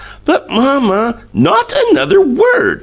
"But, mamma " "Not another word.